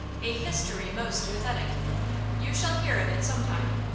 A history most pathetic! You shall hear of it some time.